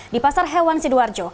di pasar hewan sidoarjo